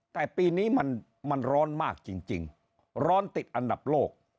แต่ปีนี้มันร้อนมากจริงร้อนติดอันดับโลก